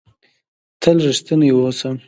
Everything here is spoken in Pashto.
تل رښتنی اوسهٔ.